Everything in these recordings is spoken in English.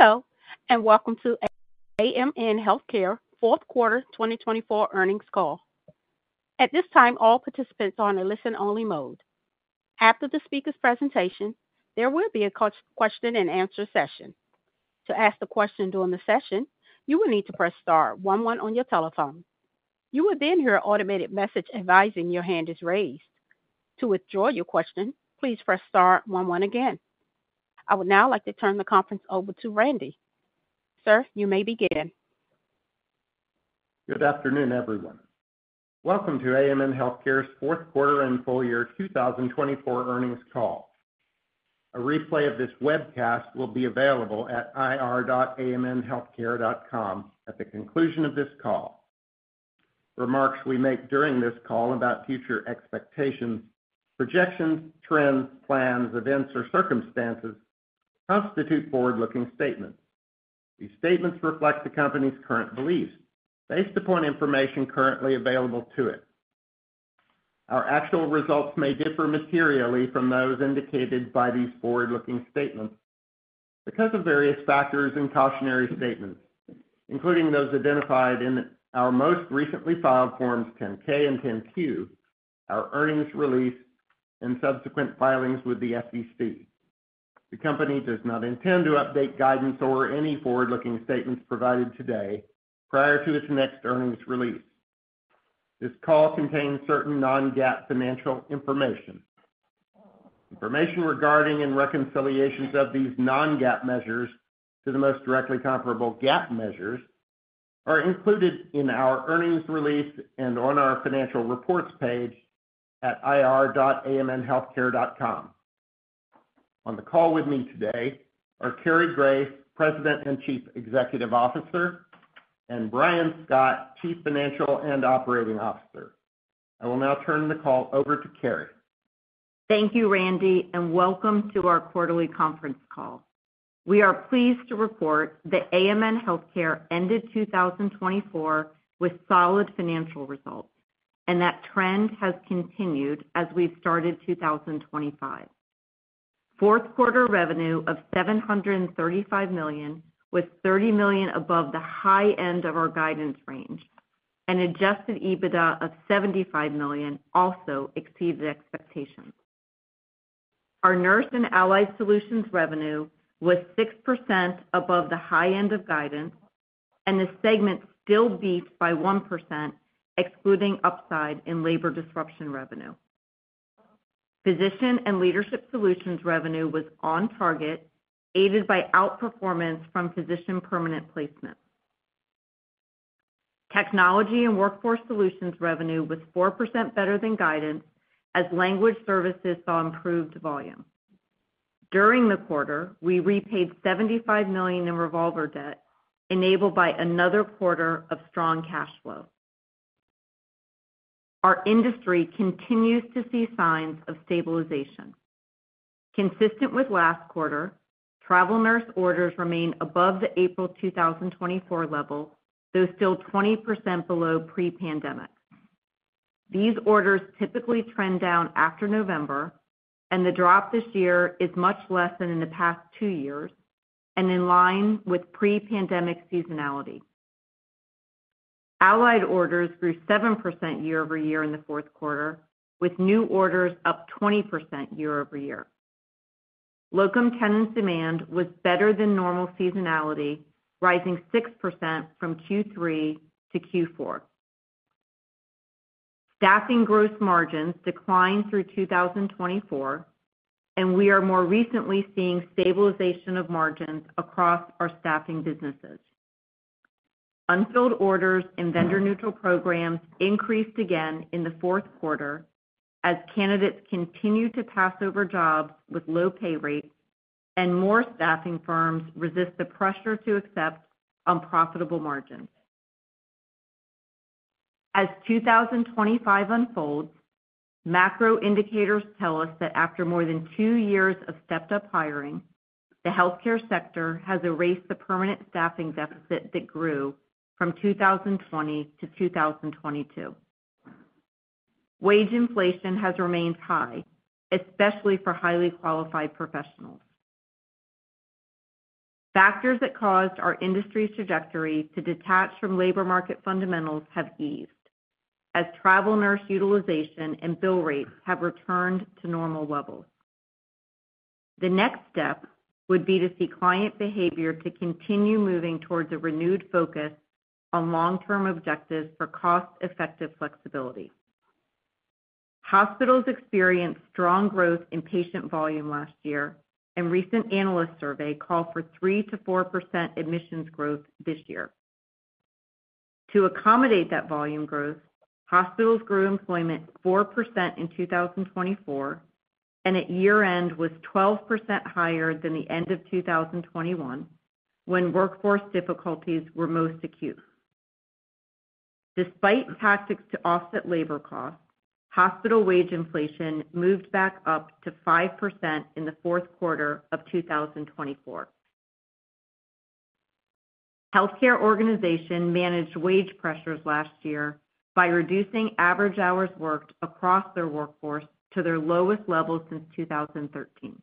Hello, and welcome to AMN Healthcare Q4 2024 earnings call. At this time, all participants are on a listen-only mode. After the speaker's presentation, there will be a question-and-answer session. To ask a question during the session, you will need to press star one one on your telephone. You will then hear an automated message advising your hand is raised. To withdraw your question, please press star 11 again. I would now like to turn the conference over to Randy. Sir, you may begin. Good afternoon, everyone. Welcome to AMN Healthcare's Q4 and Full Year 2024 earnings call. A replay of this webcast will be available at ir.amnhealthcare.com at the conclusion of this call. Remarks we make during this call about future expectations, projections, trends, plans, events, or circumstances constitute forward-looking statements. These statements reflect the company's current beliefs based upon information currently available to it. Our actual results may differ materially from those indicated by these forward-looking statements because of various factors and cautionary statements, including those identified in our most recently filed Forms 10-K and 10-Q, our earnings release, and subsequent filings with the SEC. The company does not intend to update guidance or any forward-looking statements provided today prior to its next earnings release. This call contains certain non-GAAP financial information. Information regarding and reconciliations of these non-GAAP measures to the most directly comparable GAAP measures are included in our earnings release and on our financial reports page at ir.amnhealthcare.com. On the call with me today are Cary Grace, President and Chief Executive Officer, and Brian Scott, Chief Financial and Operating Officer. I will now turn the call over to Cary. Thank you, Randy, and welcome to our quarterly conference call. We are pleased to report that AMN Healthcare ended 2024 with solid financial results, and that trend has continued as we've started 2025. Q4 revenue of $735 million was $30 million above the high end of our guidance range, and Adjusted EBITDA of $75 million also exceeded expectations. Our Nurse and Allied Solutions revenue was 6% above the high end of guidance, and the segment still beat by 1%, excluding upside in labor disruption revenue. Physician and Leadership Solutions revenue was on target, aided by outperformance from physician permanent placement. Technology and Workforce Solutions revenue was 4% better than guidance as language services saw improved volume. During the quarter, we repaid $75 million in revolver debt, enabled by another quarter of strong cash flow. Our industry continues to see signs of stabilization. Consistent with last quarter, travel nurse orders remain above the April 2024 level, though still 20% below pre-pandemic. These orders typically trend down after November, and the drop this year is much less than in the past two years and in line with pre-pandemic seasonality. Allied orders grew 7% year over year in the Q4, with new orders up 20% year over year. Locum tenens demand was better than normal seasonality, rising 6% from Q3 to Q4. Staffing gross margins declined through 2024, and we are more recently seeing stabilization of margins across our staffing businesses. Unfilled orders and vendor-neutral programs increased again in the Q4 as candidates continue to pass over jobs with low pay rates, and more staffing firms resist the pressure to accept unprofitable margins. As 2025 unfolds, macro indicators tell us that after more than two years of stepped-up hiring, the healthcare sector has erased the permanent staffing deficit that grew from 2020 to 2022. Wage inflation has remained high, especially for highly qualified professionals. Factors that caused our industry's trajectory to detach from labor market fundamentals have eased as travel nurse utilization and bill rates have returned to normal levels. The next step would be to see client behavior to continue moving towards a renewed focus on long-term objectives for cost-effective flexibility. Hospitals experienced strong growth in patient volume last year, and recent analysts' survey called for 3% to 4% admissions growth this year. To accommodate that volume growth, hospitals grew employment 4% in 2024, and at year-end was 12% higher than the end of 2021 when workforce difficulties were most acute. Despite tactics to offset labor costs, hospital wage inflation moved back up to 5% in the Q4 of 2024. Healthcare organizations managed wage pressures last year by reducing average hours worked across their workforce to their lowest level since 2013.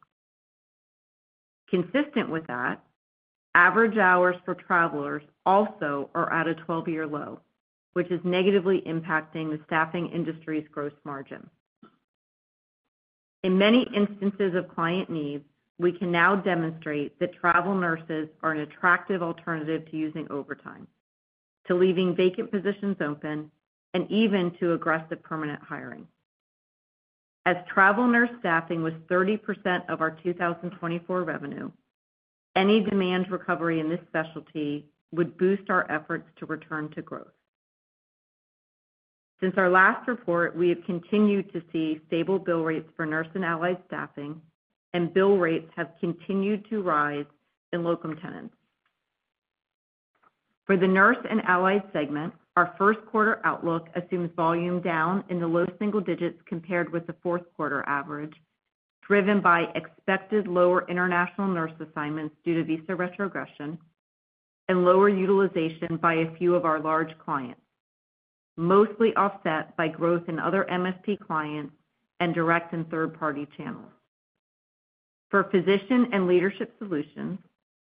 Consistent with that, average hours for travelers also are at a 12-year low, which is negatively impacting the staffing industry's gross margin. In many instances of client needs, we can now demonstrate that travel nurses are an attractive alternative to using overtime, to leaving vacant positions open, and even to aggressive permanent hiring. As travel nurse staffing was 30% of our 2024 revenue, any demand recovery in this specialty would boost our efforts to return to growth. Since our last report, we have continued to see stable bill rates for Nurse and Allied staffing, and bill rates have continued to rise in locum tenens. For the Nurse and Allied segment, our Q1 outlook assumes volume down in the low single digits compared with the Q4 average, driven by expected lower international nurse assignments due to visa retrogression and lower utilization by a few of our large clients, mostly offset by growth in other MSP clients and direct and third-party channels. For Physician and Leadership Solutions,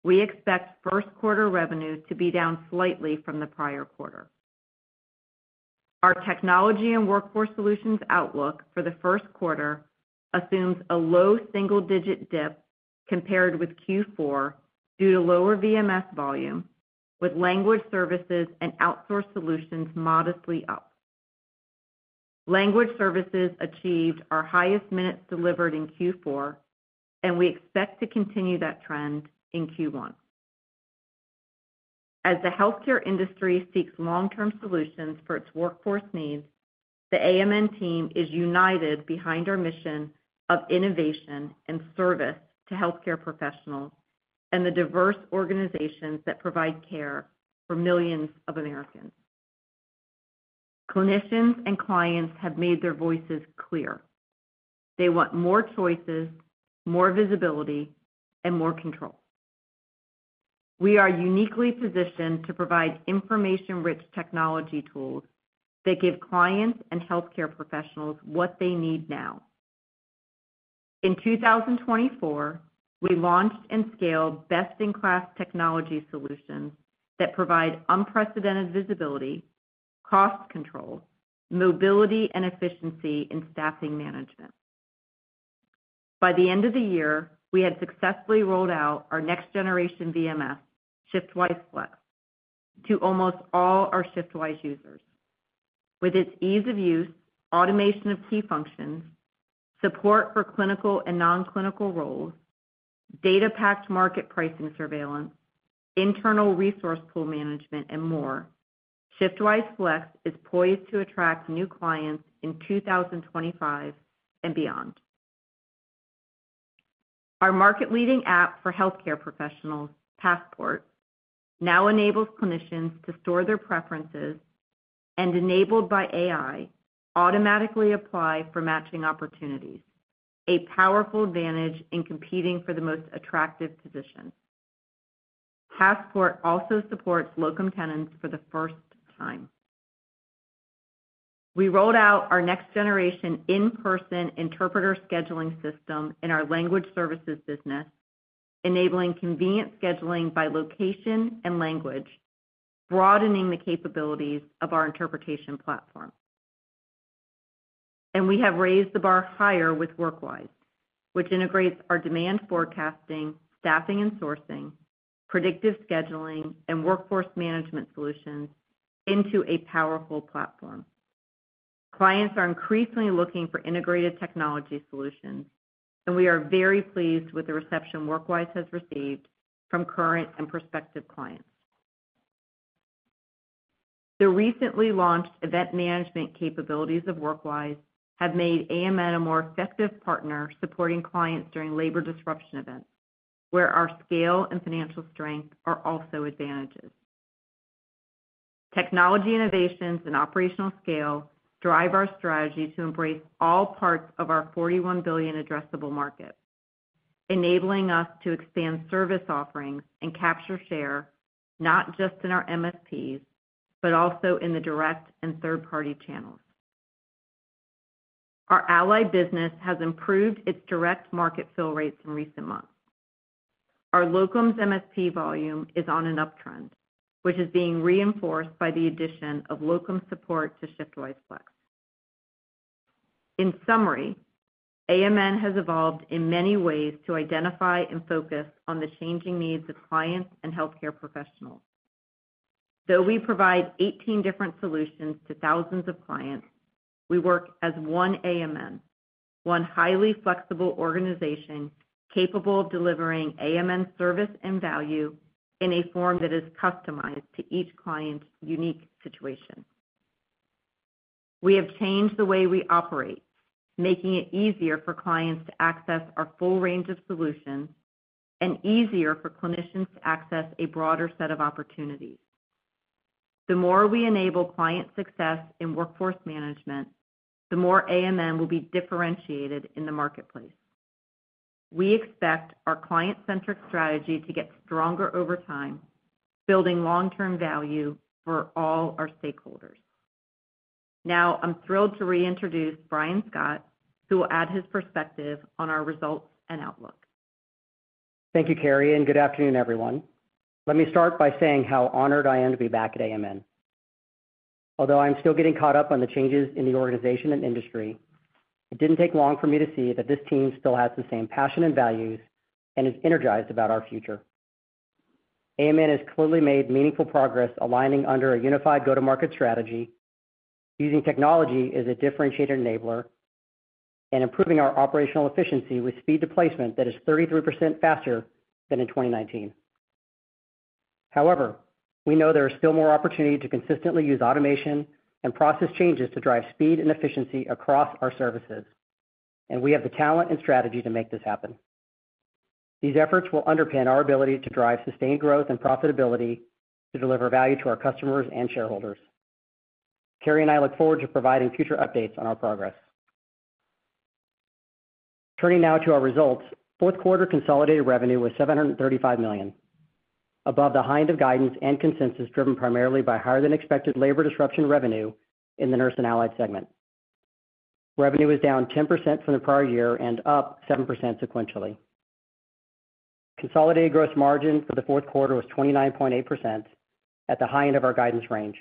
we expect Q1 revenue to be down slightly from the prior quarter. Our Technology and Workforce Solutions outlook for the Q1 assumes a low single-digit dip compared with Q4 due to lower VMS volume, with language services and outsourced solutions modestly up. Language services achieved our highest minutes delivered in Q4, and we expect to continue that trend in Q1. As the healthcare industry seeks long-term solutions for its workforce needs, the AMN team is united behind our mission of innovation and service to healthcare professionals and the diverse organizations that provide care for millions of Americans. Clinicians and clients have made their voices clear. They want more choices, more visibility, and more control. We are uniquely positioned to provide information-rich technology tools that give clients and healthcare professionals what they need now. In 2024, we launched and scaled best-in-class technology solutions that provide unprecedented visibility, cost control, mobility, and efficiency in staffing management. By the end of the year, we had successfully rolled out our next generation VMS, ShiftWise Flex, to almost all our ShiftWise users. With its ease of use, automation of key functions, support for clinical and non-clinical roles, data-packed market pricing surveillance, internal resource pool management, and more, ShiftWise Flex is poised to attract new clients in 2025 and beyond. Our market-leading app for healthcare professionals, Passport, now enables clinicians to store their preferences and, enabled by AI, automatically apply for matching opportunities, a powerful advantage in competing for the most attractive position. Passport also supports locum tenens for the first time. We rolled out our next-generation in-person interpreter scheduling system in our language services business, enabling convenient scheduling by location and language, broadening the capabilities of our interpretation platform. We have raised the bar higher with WorkWise, which integrates our demand forecasting, staffing and sourcing, predictive scheduling, and workforce management solutions into a powerful platform. Clients are increasingly looking for integrated technology solutions, and we are very pleased with the reception WorkWise has received from current and prospective clients. The recently launched event management capabilities of WorkWise have made AMN a more effective partner supporting clients during labor disruption events, where our scale and financial strength are also advantages. Technology innovations and operational scale drive our strategy to embrace all parts of our $41 billion addressable market, enabling us to expand service offerings and capture share not just in our MSPs, but also in the direct and third-party channels. Our Allied business has improved its direct market fill rates in recent months. Our locums MSP volume is on an uptrend, which is being reinforced by the addition of locum support to ShiftWise Flex. In summary, AMN has evolved in many ways to identify and focus on the changing needs of clients and healthcare professionals. Though we provide 18 different solutions to thousands of clients, we work as one AMN, one highly flexible organization capable of delivering AMN service and value in a form that is customized to each client's unique situation. We have changed the way we operate, making it easier for clients to access our full range of solutions and easier for clinicians to access a broader set of opportunities. The more we enable client success in workforce management, the more AMN will be differentiated in the marketplace. We expect our client-centric strategy to get stronger over time, building long-term value for all our stakeholders. Now, I'm thrilled to reintroduce Brian Scott, who will add his perspective on our results and outlook. Thank you, Cary, and good afternoon, everyone. Let me start by saying how honored I am to be back at AMN. Although I'm still getting caught up on the changes in the organization and industry, it didn't take long for me to see that this team still has the same passion and values and is energized about our future. AMN has clearly made meaningful progress aligning under a unified go-to-market strategy, using technology as a differentiator enabler, and improving our operational efficiency with speed to placement that is 33% faster than in 2019. However, we know there is still more opportunity to consistently use automation and process changes to drive speed and efficiency across our services, and we have the talent and strategy to make this happen. These efforts will underpin our ability to drive sustained growth and profitability to deliver value to our customers and shareholders. Cary and I look forward to providing future updates on our progress. Turning now to our results, Q4 consolidated revenue was $735 million, above the high end of guidance and consensus driven primarily by higher-than-expected labor disruption revenue in the Nurse and Allied segment. Revenue was down 10% from the prior year and up 7% sequentially. Consolidated gross margin for the Q4 was 29.8%, at the high end of our guidance range.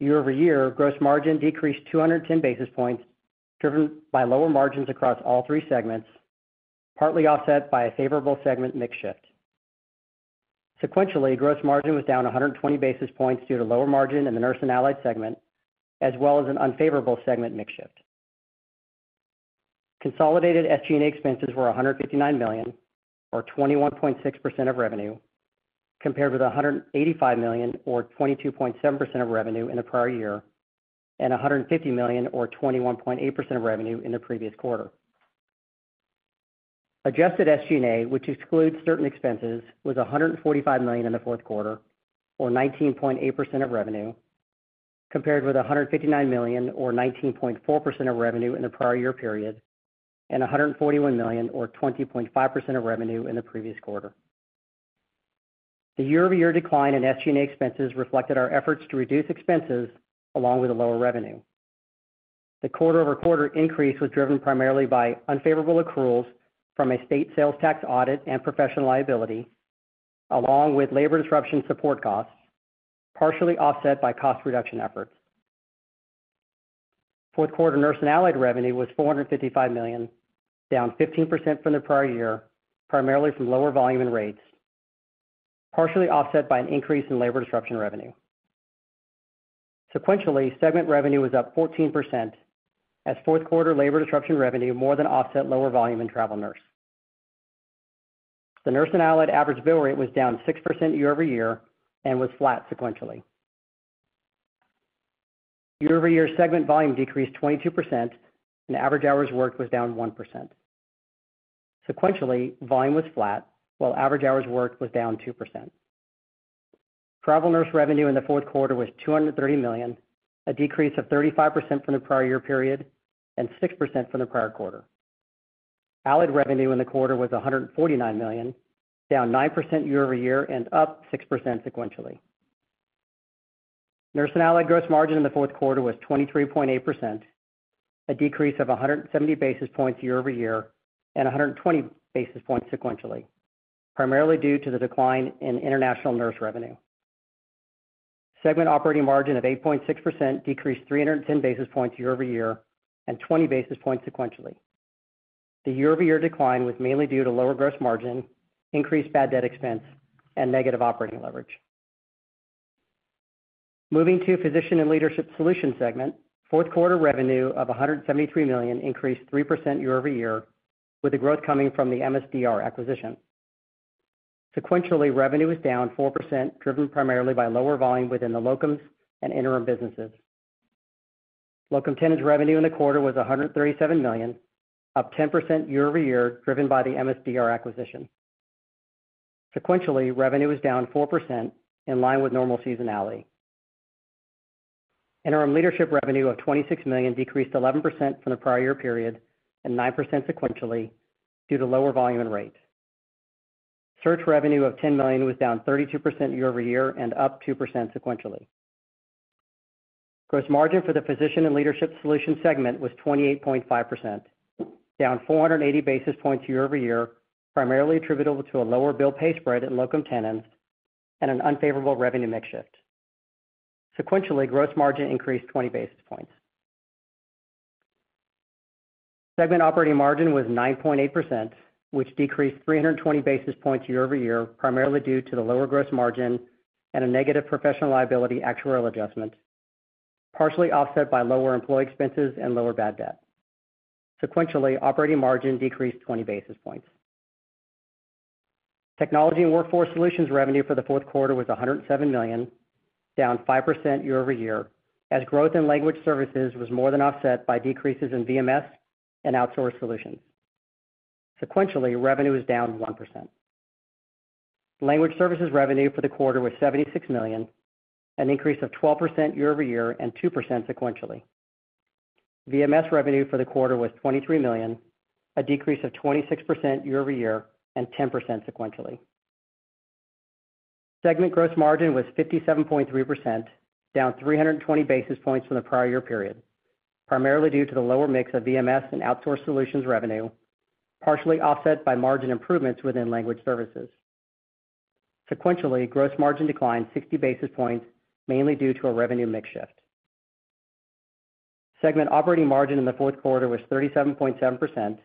Year-over-year, gross margin decreased 210 basis points, driven by lower margins across all three segments, partly offset by a favorable segment mix shift. Sequentially, gross margin was down 120 basis points due to lower margin in the Nurse and Allied segment, as well as an unfavorable segment mix shift. Consolidated SG&A expenses were $159 million, or 21.6% of revenue, compared with $185 million, or 22.7% of revenue in the prior year, and $150 million, or 21.8% of revenue in the previous quarter. Adjusted SG&A, which excludes certain expenses, was $145 million in the Q4, or 19.8% of revenue, compared with $159 million, or 19.4% of revenue in the prior year period, and $141 million, or 20.5% of revenue in the previous quarter. The year-over-year decline in SG&A expenses reflected our efforts to reduce expenses along with a lower revenue. The quarter-over-quarter increase was driven primarily by unfavorable accruals from a state sales tax audit and professional liability, along with labor disruption support costs, partially offset by cost reduction efforts. Q4 Nurse and Allied revenue was $455 million, down 15% from the prior year, primarily from lower volume and rates, partially offset by an increase in labor disruption revenue. Sequentially, segment revenue was up 14%, as Q4 labor disruption revenue more than offset lower volume in travel nurse. The Nurse and Allied average bill rate was down 6% year-over-year and was flat sequentially. Year-over-year segment volume decreased 22%, and average hours worked was down 1%. Sequentially, volume was flat, while average hours worked was down 2%. Travel nurse revenue in the Q4 was $230 million, a decrease of 35% from the prior year period and 6% from the prior quarter. Allied revenue in the quarter was $149 million, down 9% year-over-year and up 6% sequentially. Nurse and Allied gross margin in the Q4 was 23.8%, a decrease of 170 basis points year-over-year and 120 basis points sequentially, primarily due to the decline in international nurse revenue. Segment operating margin of 8.6% decreased 310 basis points year-over-year and 20 basis points sequentially. The year-over-year decline was mainly due to lower gross margin, increased bad debt expense, and negative operating leverage. Moving to Physician and Leadership Solutions segment, Q4 revenue of $173 million increased 3% year-over-year, with the growth coming from the MSDR acquisition. Sequentially, revenue was down 4%, driven primarily by lower volume within the locums and interim businesses. Locum tenens revenue in the quarter was $137 million, up 10% year-over-year, driven by the MSDR acquisition. Sequentially, revenue was down 4%, in line with normal seasonality. Interim leadership revenue of $26 million decreased 11% from the prior year period and 9% sequentially due to lower volume and rates. Search revenue of $10 million was down 32% year-over-year and up 2% sequentially. Gross margin for the Physician and Leadership Solutions segment was 28.5%, down 480 basis points year-over-year, primarily attributable to a lower bill-pay spread in locum tenens and an unfavorable revenue mix shift. Sequentially, gross margin increased 20 basis points. Segment operating margin was 9.8%, which decreased 320 basis points year-over-year, primarily due to the lower gross margin and a negative professional liability actuarial adjustment, partially offset by lower employee expenses and lower bad debt. Sequentially, operating margin decreased 20 basis points. Technology and Workforce Solutions revenue for the Q4 was $107 million, down 5% year-over-year, as growth in language services was more than offset by decreases in VMS and outsourced solutions. Sequentially, revenue was down 1%. Language services revenue for the quarter was $76 million, an increase of 12% year-over-year and 2% sequentially. VMS revenue for the quarter was $23 million, a decrease of 26% year-over-year and 10% sequentially. Segment gross margin was 57.3%, down 320 basis points from the prior year period, primarily due to the lower mix of VMS and outsourced solutions revenue, partially offset by margin improvements within language services. Sequentially, gross margin declined 60 basis points, mainly due to a revenue mix shift. Segment operating margin in the Q4 was 37.7%,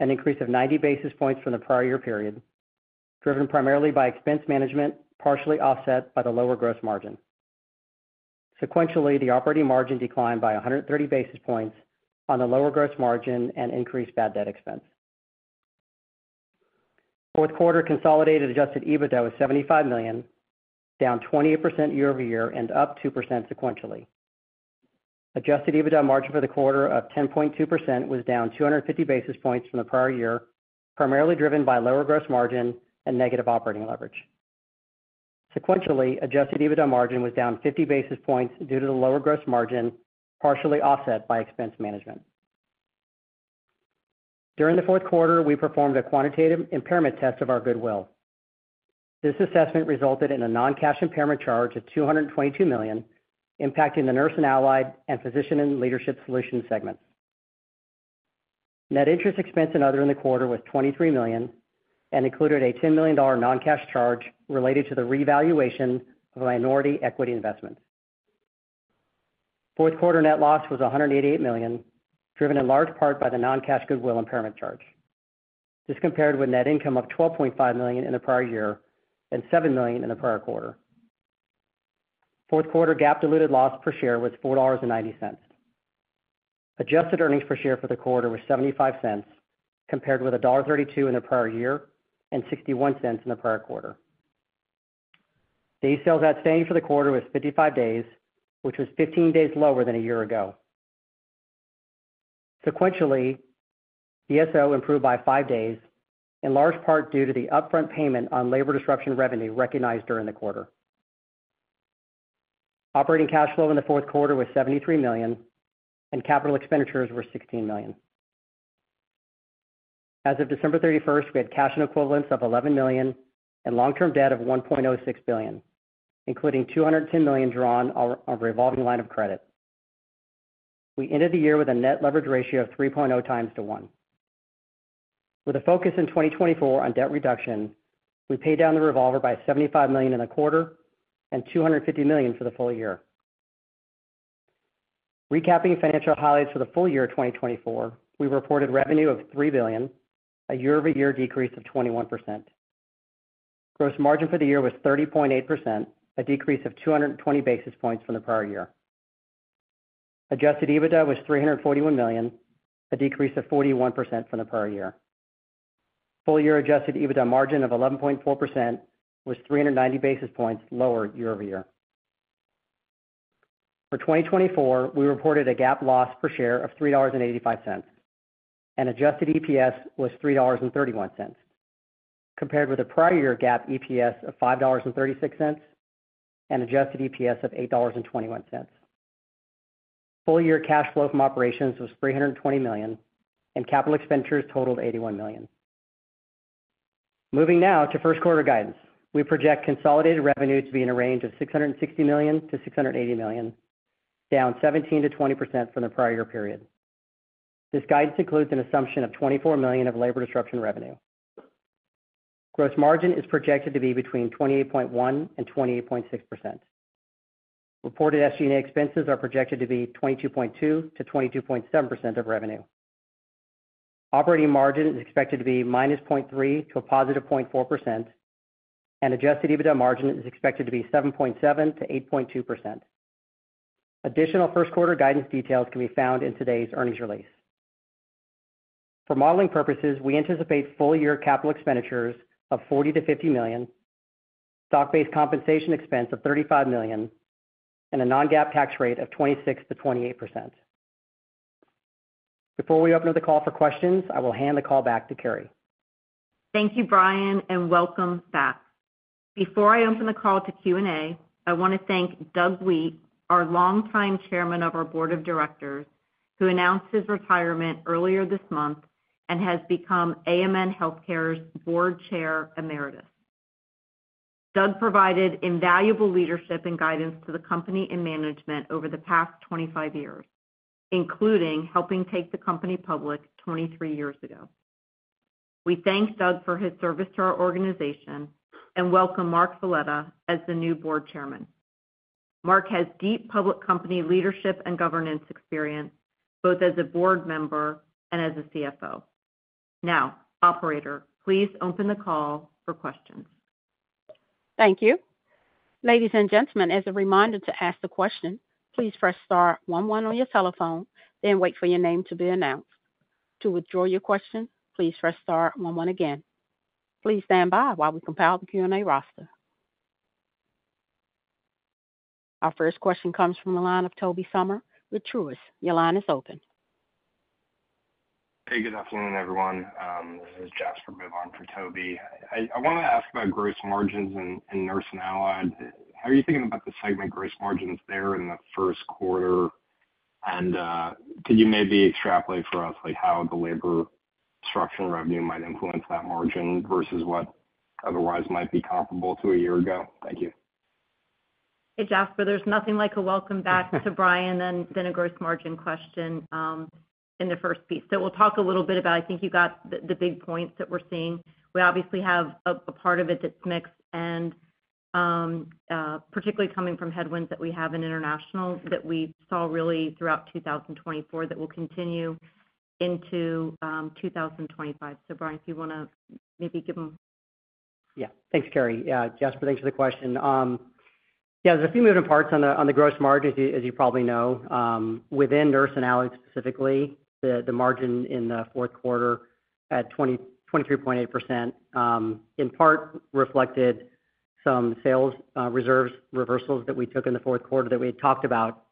an increase of 90 basis points from the prior year period, driven primarily by expense management, partially offset by the lower gross margin. Sequentially, the operating margin declined by 130 basis points on the lower gross margin and increased bad debt expense. Q4 consolidated adjusted EBITDA was $75 million, down 28% year-over-year and up 2% sequentially. Adjusted EBITDA margin for the quarter of 10.2% was down 250 basis points from the prior year, primarily driven by lower gross margin and negative operating leverage. Sequentially, adjusted EBITDA margin was down 50 basis points due to the lower gross margin, partially offset by expense management. During the Q4, we performed a quantitative impairment test of our goodwill. This assessment resulted in a non-cash impairment charge of $222 million, impacting the Nurse and Allied Solutions and Physician and Leadership Solutions segments. Net interest expense and other in the quarter was $23 million and included a $10 million non-cash charge related to the revaluation of a minority equity investment. Q4 net loss was $188 million, driven in large part by the non-cash goodwill impairment charge. This compared with net income of $12.5 million in the prior year and $7 million in the prior quarter. Q4 GAAP diluted loss per share was $4.90. Adjusted earnings per share for the quarter was $0.75, compared with $1.32 in the prior year and $0.61 in the prior quarter. Days sales outstanding for the quarter was 55 days, which was 15 days lower than a year ago. Sequentially, DSO improved by 5 days, in large part due to the upfront payment on labor disruption revenue recognized during the quarter. Operating cash flow in the Q4 was $73 million, and capital expenditures were $16 million. As of December 31st, we had cash and cash equivalents of $11 million and long-term debt of $1.06 billion, including $210 million drawn on our revolving line of credit. We ended the year with a net leverage ratio of 3.0 times to 1. With a focus in 2024 on debt reduction, we paid down the revolver by $75 million in the quarter and $250 million for the full year. Recapping financial highlights for the full year of 2024, we reported revenue of $3 billion, a year-over-year decrease of 21%. Gross margin for the year was 30.8%, a decrease of 220 basis points from the prior year. Adjusted EBITDA was $341 million, a decrease of 41% from the prior year. Full-year adjusted EBITDA margin of 11.4% was 390 basis points lower year-over-year. For 2024, we reported a GAAP loss per share of $3.85, and adjusted EPS was $3.31, compared with the prior year GAAP EPS of $5.36 and adjusted EPS of $8.21. Full-year cash flow from operations was $320 million, and capital expenditures totaled $81 million. Moving now to Q1 guidance, we project consolidated revenue to be in a range of $660 million to 680 million, down 17% to 20% from the prior year period. This guidance includes an assumption of $24 million of labor disruption revenue. Gross margin is projected to be between 28.1% and 28.6%. Reported SG&A expenses are projected to be 22.2% to 22.7% of revenue. Operating margin is expected to be minus 0.3% to a positive 0.4%, and adjusted EBITDA margin is expected to be 7.7% to 8.2%. Additional Q1 guidance details can be found in today's earnings release. For modeling purposes, we anticipate full-year capital expenditures of $40 million to 50 million, stock-based compensation expense of $35 million, and a non-GAAP tax rate of 26% to 28%. Before we open up the call for questions, I will hand the call back to Cary. Thank you, Brian, and welcome back. Before I open the call to Q&A, I want to thank Doug Wheat, our longtime chairman of our board of directors, who announced his retirement earlier this month and has become AMN Healthcare's board chair emeritus. Doug provided invaluable leadership and guidance to the company and management over the past 25 years, including helping take the company public 23 years ago. We thank Doug for his service to our organization and welcome Mark Foletta as the new board chairman. Mark has deep public company leadership and governance experience, both as a board member and as a CFO. Now, operator, please open the call for questions. Thank you. Ladies and gentlemen, as a reminder to ask the question, please press star 11 on your telephone, then wait for your name to be announced. To withdraw your question, please press star 11 again. Please stand by while we compile the Q&A roster. [Operator Instuctions] Our first question comes from the line of Tobey Sommer with Truist. Your line is open. Hey, good afternoon, everyone. This is Jasper Bibb for Toby. I want to ask about gross margins in Nurse and Allied. How are you thinking about the segment gross margins there in the Q1? And could you maybe extrapolate for us how the labor disruption revenue might influence that margin versus what otherwise might be comparable to a year ago? Thank you. Hey, Jasper, there's nothing like a welcome back to Brian than a gross margin question in the first piece. So we'll talk a little bit about, I think you got the big points that we're seeing. We obviously have a part of it that's mixed, and particularly coming from headwinds that we have in international that we saw really throughout 2024 that will continue into 2025. So, Brian, if you want to maybe give them. Thanks, Cary. Jasper, thanks for the question. Yeah, there's a few moving parts on the gross margins, as you probably know. Within Nurse and Allied specifically, the margin in the Q4 at 23.8% in part reflected some sales reserves reversals that we took in the Q4 that we had talked about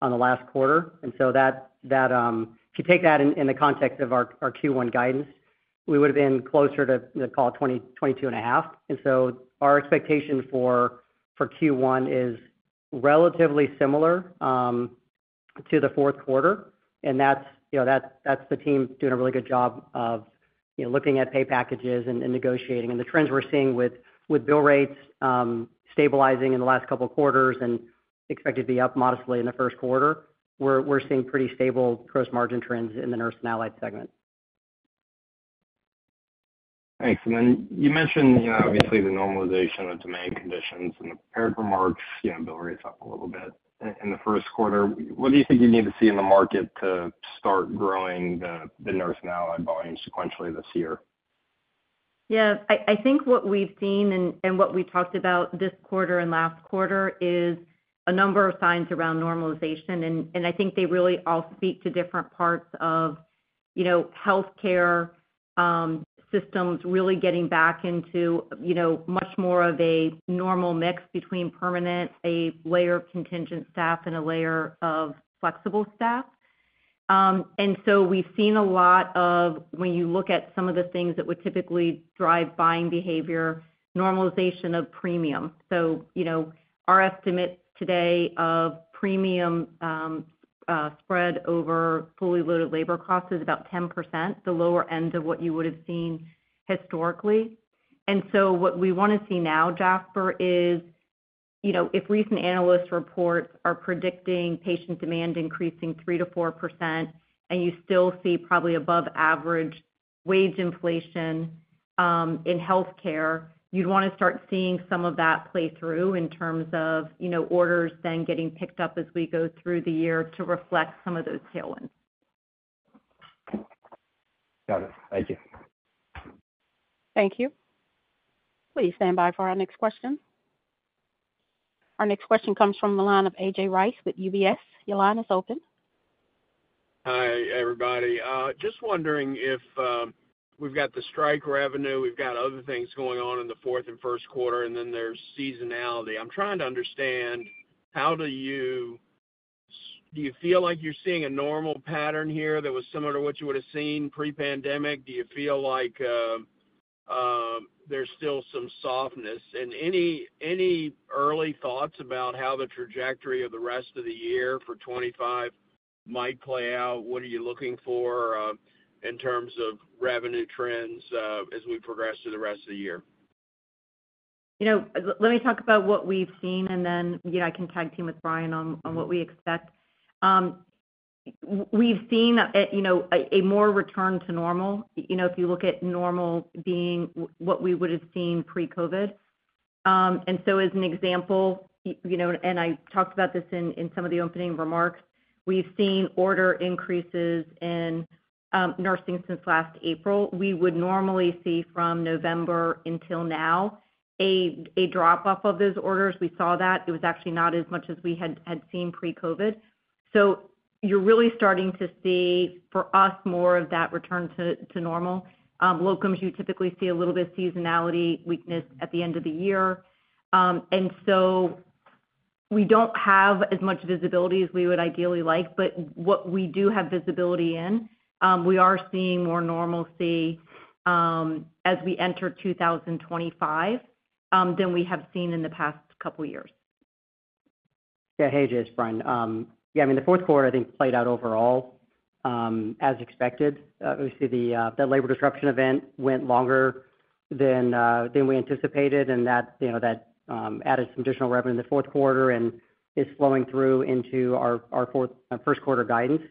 on the last quarter. And so if you take that in the context of our Q1 guidance, we would have been closer to, I'd call it, 22.5%. And so our expectation for Q1 is relatively similar to the Q4. And that's the team doing a really good job of looking at pay packages and negotiating. The trends we're seeing with bill rates stabilizing in the last couple of quarters and expected to be up modestly in the Q1, we're seeing pretty stable gross margin trends in the Nurse and Allied segment. Thanks. Then you mentioned, obviously, the normalization of demand conditions and the prepared remarks, bill rates up a little bit in the Q1. What do you think you need to see in the market to start growing the Nurse and Allied volume sequentially this year? Yeah, I think what we've seen and what we talked about this quarter and last quarter is a number of signs around normalization. And I think they really all speak to different parts of healthcare systems really getting back into much more of a normal mix between permanent, a layer of contingent staff, and a layer of flexible staff. We've seen a lot of, when you look at some of the things that would typically drive buying behavior, normalization of premium. So our estimate today of premium spread over fully loaded labor costs is about 10%, the lower end of what you would have seen historically. And so what we want to see now, Jasper, is if recent analyst reports are predicting patient demand increasing 3%-4% and you still see probably above-average wage inflation in healthcare, you'd want to start seeing some of that play through in terms of orders then getting picked up as we go through the year to reflect some of those tailwinds. Got it. Thank you. Thank you. Please stand by for our next question. Our next question comes from the line of A.J. Rice with UBS. Your line is open. Hi, everybody. Just wondering if we've got the strike revenue, we've got other things going on in the Q4 and Q1, and then there's seasonality. I'm trying to understand how you feel like you're seeing a normal pattern here that was similar to what you would have seen pre-pandemic? Do you feel like there's still some softness, and any early thoughts about how the trajectory of the rest of the year for 2025 might play out? What are you looking for in terms of revenue trends as we progress through the rest of the year? Let me talk about what we've seen, and then I can tag team with Brian on what we expect. We've seen a more return to normal if you look at normal being what we would have seen pre-COVID. And so, as an example, and I talked about this in some of the opening remarks, we've seen order increases in nursing since last April. We would normally see from November until now a drop-off of those orders. We saw that. It was actually not as much as we had seen pre-COVID. So you're really starting to see, for us, more of that return to normal. Locums, you typically see a little bit of seasonality weakness at the end of the year. We don't have as much visibility as we would ideally like, but what we do have visibility in, we are seeing more normalcy as we enter 2025 than we have seen in the past couple of years. A.J., it's Brian. Yeah, I mean, the Q4, I think, played out overall as expected. Obviously, the labor disruption event went longer than we anticipated, and that added some additional revenue in the Q4 and is flowing through into our Q1 guidance.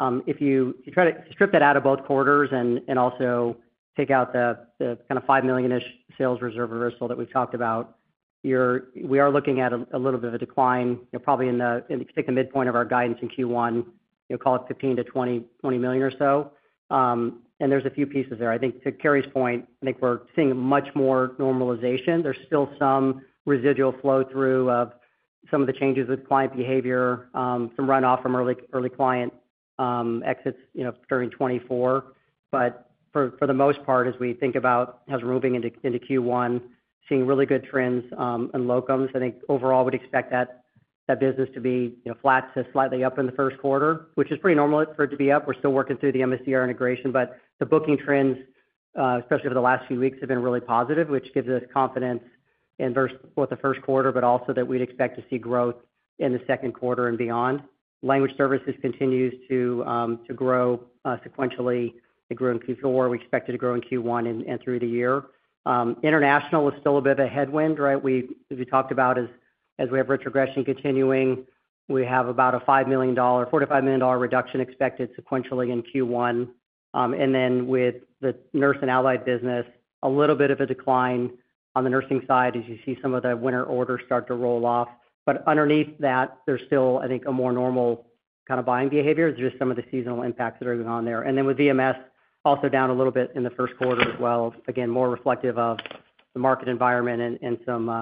If you try to strip that out of both quarters and also take out the kind of $5 million-ish sales reserve reversal that we've talked about, we are looking at a little bit of a decline, probably in the midpoint of our guidance in Q1, call it $15 to 20 million or so. And there's a few pieces there. I think to Cary's point, I think we're seeing much more normalization. There's still some residual flow-through of some of the changes with client behavior, some runoff from early client exits during 2024. But for the most part, as we think about as we're moving into Q1, seeing really good trends in locums, I think overall we'd expect that business to be flat to slightly up in the Q1, which is pretty normal for it to be up. We're still working through the MSDR integration, but the booking trends, especially for the last few weeks, have been really positive, which gives us confidence in both the Q1, but also that we'd expect to see growth in the Q2 and beyond. Language services continues to grow sequentially. They grew in Q4. We expect it to grow in Q1 and through the year. International is still a bit of a headwind, right? We talked about as we have retrogression continuing, we have about a $45 million reduction expected sequentially in Q1. And then with the Nurse and Allied business, a little bit of a decline on the nursing side as you see some of the winter orders start to roll off. But underneath that, there's still, I think, a more normal kind of buying behavior. It's just some of the seasonal impacts that are going on there. And then with VMS, also down a little bit in the Q1 as well. Again, more reflective of the market environment and some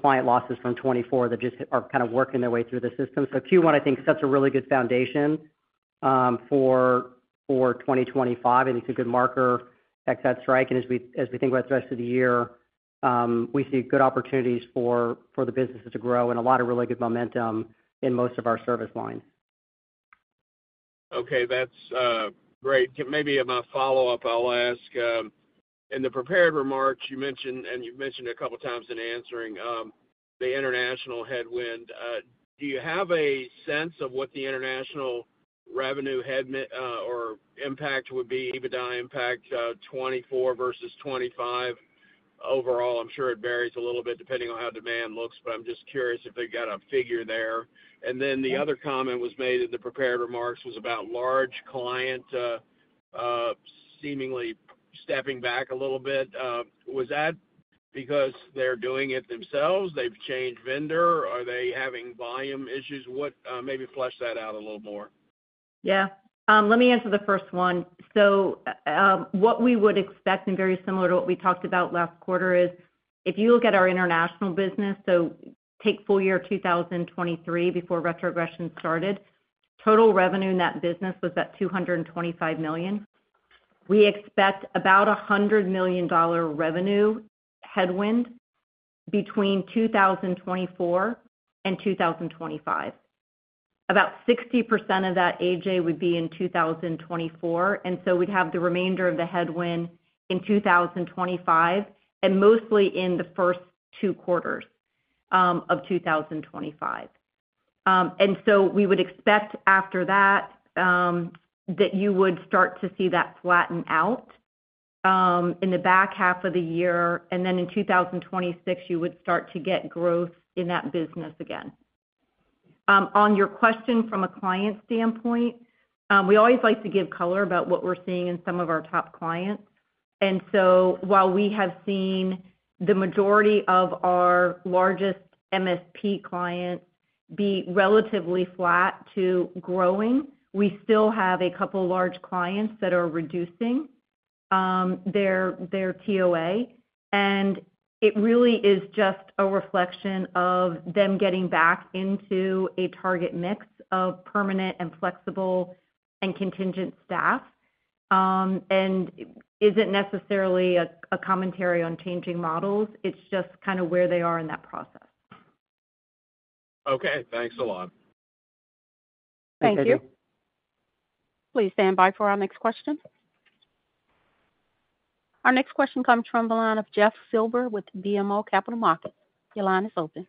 client losses from 2024 that just are kind of working their way through the system. So Q1, I think, sets a really good foundation for 2025. I think it's a good marker ex that strike. And as we think about the rest of the year, we see good opportunities for the businesses to grow and a lot of really good momentum in most of our service lines. Okay, that's great. Maybe in my follow-up, I'll ask. In the prepared remarks, you mentioned, and you've mentioned a couple of times in answering, the international headwind. Do you have a sense of what the international revenue impact would be, EBITDA impact, 2024 versus 2025? Overall, I'm sure it varies a little bit depending on how demand looks, but I'm just curious if they've got a figure there. And then the other comment that was made in the prepared remarks was about large clients seemingly stepping back a little bit. Was that because they're doing it themselves? They've changed vendor? Are they having volume issues? Maybe flesh that out a little more. Let me answer the first one. So what we would expect, and very similar to what we talked about last quarter, is if you look at our international business, so take full year 2023 before retrogression started, total revenue in that business was at $225 million. We expect about a $100 million revenue headwind between 2024 and 2025. About 60% of that AJ would be in 2024. And so we'd have the remainder of the headwind in 2025, and mostly in the first two quarters of 2025. And so we would expect after that that you would start to see that flatten out in the back half of the year. And then in 2026, you would start to get growth in that business again. On your question from a client standpoint, we always like to give color about what we're seeing in some of our top clients. And so while we have seen the majority of our largest MSP clients be relatively flat to growing, we still have a couple of large clients that are reducing their TOA. And it really is just a reflection of them getting back into a target mix of permanent and flexible and contingent staff. And it isn't necessarily a commentary on changing models. It's just kind of where they are in that process. Okay. Thanks a lot. Thank you. Thank you. Please stand by for our next question. Our next question comes from the line of Jeff Silber with BMO Capital Markets. Your line is open.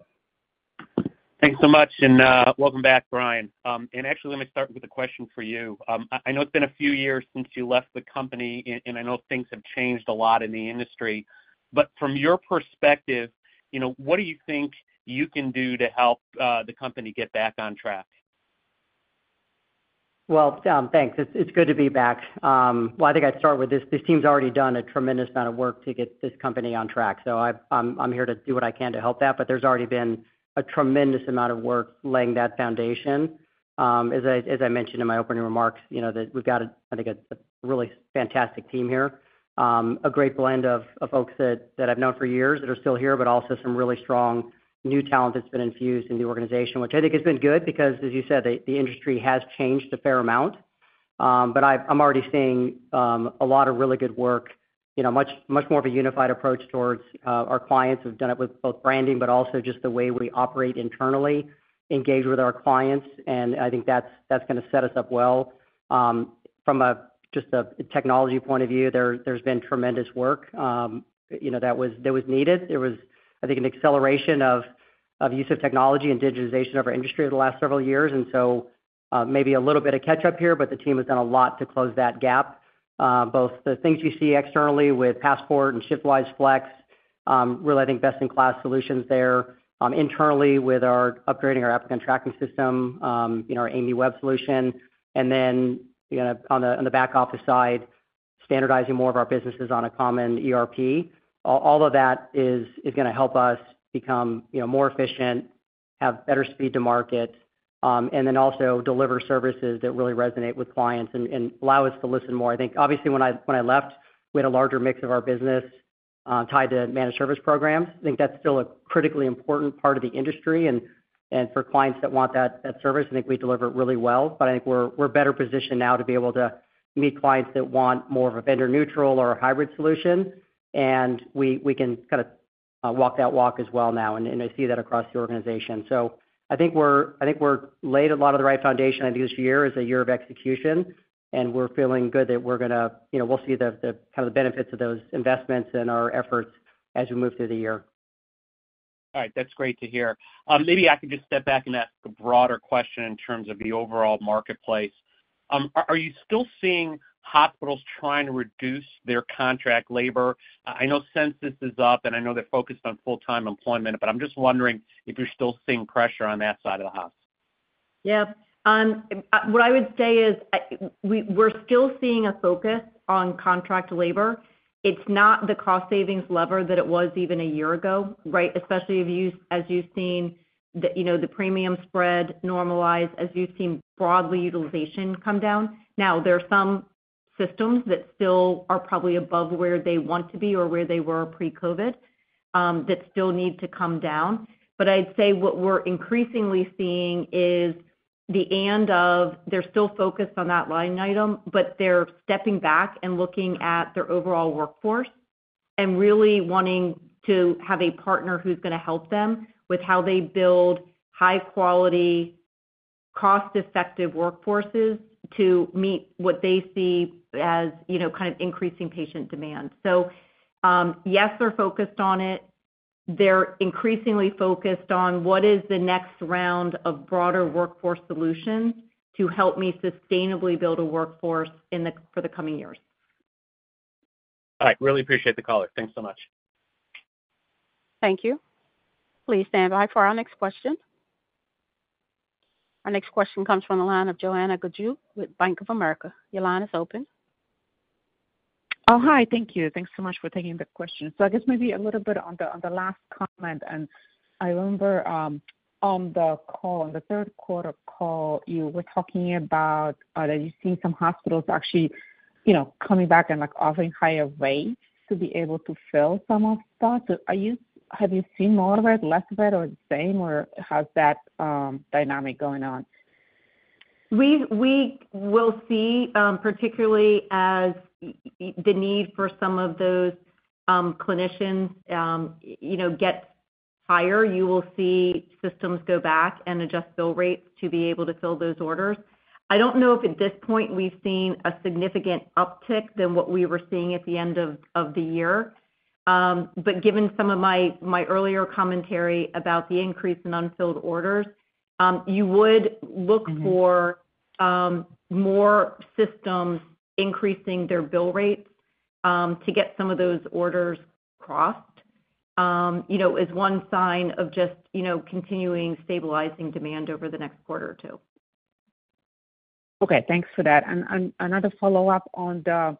Thanks so much. And welcome back, Brian. And actually, let me start with a question for you. I know it's been a few years since you left the company, and I know things have changed a lot in the industry. But from your perspective, what do you think you can do to help the company get back on track? Well, thanks. It's good to be back. Well, I think I'd start with this. This team's already done a tremendous amount of work to get this company on track. So I'm here to do what I can to help that. But there's already been a tremendous amount of work laying that foundation. As I mentioned in my opening remarks, we've got, I think, a really fantastic team here. A great blend of folks that I've known for years that are still here, but also some really strong new talent that's been infused in the organization, which I think has been good because, as you said, the industry has changed a fair amount. But I'm already seeing a lot of really good work, much more of a unified approach towards our clients who've done it with both branding, but also just the way we operate internally, engage with our clients. And I think that's going to set us up well. From just a technology point of view, there's been tremendous work that was needed. There was, I think, an acceleration of use of technology and digitization of our industry over the last several years. Maybe a little bit of catch-up here, but the team has done a lot to close that gap. Both the things you see externally with Passport and ShiftWise Flex, really, I think, best-in-class solutions there. Internally, with our upgrading our applicant tracking system, our AMIE Web solution. And then on the back office side, standardizing more of our businesses on a common ERP. All of that is going to help us become more efficient, have better speed to market, and then also deliver services that really resonate with clients and allow us to listen more. I think, obviously, when I left, we had a larger mix of our business tied to managed service programs. I think that's still a critically important part of the industry, and for clients that want that service, I think we deliver it really well, but I think we're better positioned now to be able to meet clients that want more of a vendor-neutral or a hybrid solution, and we can kind of walk that walk as well now, and I see that across the organization, so I think we're laid a lot of the right foundation. I think this year is a year of execution. We're feeling good that we're going to see the kind of benefits of those investments and our efforts as we move through the year. All right. That's great to hear. Maybe I can just step back and ask a broader question in terms of the overall marketplace. Are you still seeing hospitals trying to reduce their contract labor? I know census is up, and I know they're focused on full-time employment, but I'm just wondering if you're still seeing pressure on that side of the house.. What I would say is we're still seeing a focus on contract labor. It's not the cost savings lever that it was even a year ago, right? Especially as you've seen the premium spread normalize, as you've seen broadly utilization come down. Now, there are some systems that still are probably above where they want to be or where they were pre-COVID that still need to come down, but I'd say what we're increasingly seeing is the end of their still focused on that line item, but they're stepping back and looking at their overall workforce and really wanting to have a partner who's going to help them with how they build high-quality, cost-effective workforces to meet what they see as kind of increasing patient demand, so yes, they're focused on it, they're increasingly focused on what is the next round of broader workforce solutions to help me sustainably build a workforce for the coming years. All right. Really appreciate the color. Thanks so much. Thank you. Please stand by for our next question. Our next question comes from the line of Joanna Gajuk with Bank of America. Your line is open. Oh, hi. Thank you. Thanks so much for taking the question. So I guess maybe a little bit on the last comment. And I remember on the call, on the Q3 call, you were talking about that you see some hospitals actually coming back and offering higher rates to be able to fill some of that. Have you seen more of it, less of it, or the same, or how's that dynamic going on? We will see, particularly as the need for some of those clinicians gets higher, you will see systems go back and adjust bill rates to be able to fill those orders. I don't know if at this point we've seen a significant uptick than what we were seeing at the end of the year. Given some of my earlier commentary about the increase in unfilled orders, you would look for more systems increasing their bill rates to get some of those orders crossed as one sign of just continuing stabilizing demand over the next quarter or two. Okay. Thanks for that. Another follow-up on the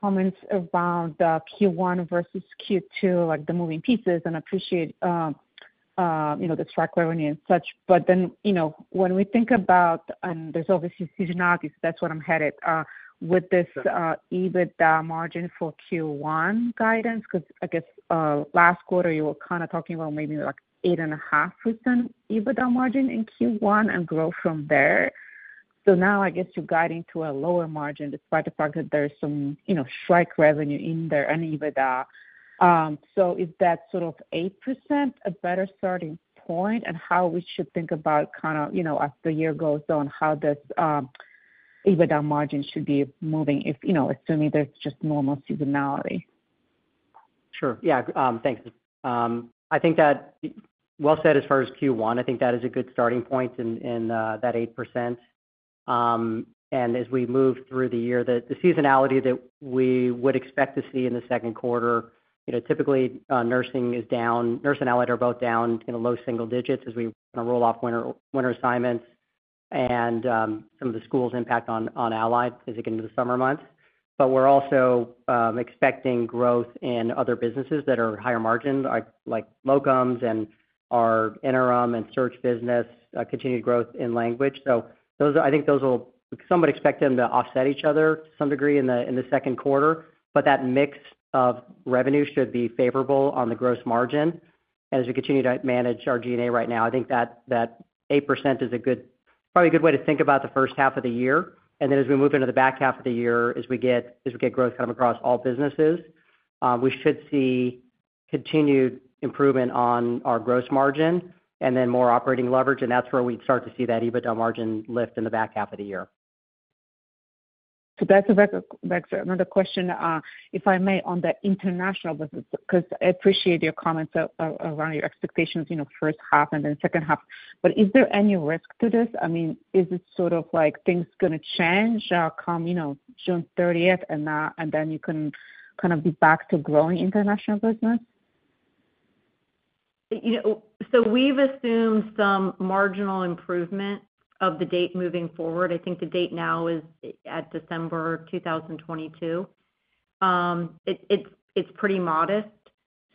comments around Q1 versus Q2, like the moving pieces, and appreciate the track revenue and such. Then when we think about, and there's obviously seasonalities, that's where I'm headed, with this EBITDA margin for Q1 guidance, because I guess last quarter you were kind of talking about maybe like 8.5% EBITDA margin in Q1 and grow from there. Now I guess you're guiding to a lower margin despite the fact that there's some strike revenue in there and EBITDA. So is that sort of 8% a better starting point and how we should think about kind of as the year goes on, how this EBITDA margin should be moving if assuming there's just normal seasonality? Sure. Yeah. Thanks. I think that's well said as far as Q1. I think that is a good starting point in that 8%. And as we move through the year, the seasonality that we would expect to see in the Q2, typically nursing is down. Nurse and Allied are both down in the low single digits as we kind of roll off winter assignments and some of the Schools' impact on allied as we get into the summer months. But we're also expecting growth in other businesses that are higher margins like locums and our interim and search business, continued growth in language. So I think some would expect them to offset each other to some degree in the Q2. But that mix of revenue should be favorable on the gross margin. As we continue to manage our G&A right now, I think that 8% is probably a good way to think about the first half of the year. And then as we move into the back half of the year, as we get growth kind of across all businesses, we should see continued improvement on our gross margin and then more operating leverage. And that's where we'd start to see that EBITDA margin lift in the back half of the year. So back to another question, if I may, on the international business, because I appreciate your comments around your expectations, first half and then second half. But is there any risk to this? I mean, is it sort of like things going to change come June 30th, and then you can kind of be back to growing international business? So we've assumed some marginal improvement of the date moving forward. I think the date now is at December 2022. It's pretty modest.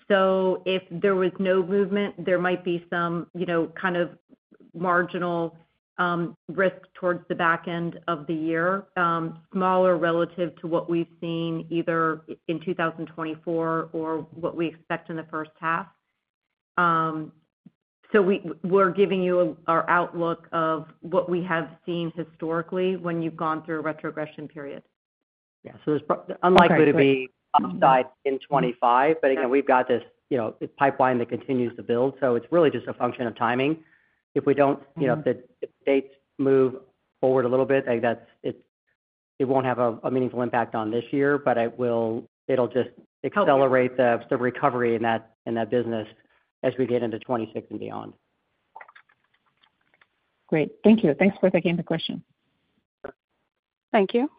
So if there was no movement, there might be some kind of marginal risk towards the back end of the year, smaller relative to what we've seen either in 2024 or what we expect in the first half. So we're giving you our outlook of what we have seen historically when you've gone through a retrogression period. Yeah. So it's unlikely to be upside in 2025. But again, we've got this pipeline that continues to build. So it's really just a function of timing. If we don't, if the dates move forward a little bit, it won't have a meaningful impact on this year, but it'll just accelerate the recovery in that business as we get into 2026 and beyond. Great. Thank you. Thanks for taking the question. Thank you.